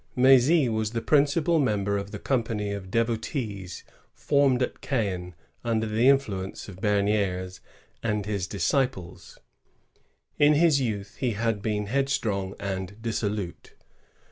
M^zy was the principal member of the company of devotees formed at Caen under the influence of Bemidres and his disciples. In his youth he had been headstrong and dissolute.